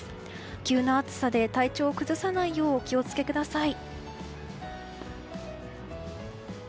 急な暑さで体調を崩さないようお気をつけください。